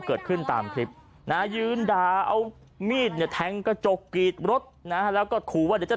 ได้ขึ้นตามคลิปนะยืนดาเอามีดเนี่ยแทงกระจกกิดรถนะแล้วก็ขอว่าจะ